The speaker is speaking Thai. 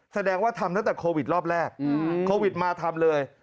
แสดงว่าทำตั้งแต่โควิดรอบแรกโควิดมาทำเลย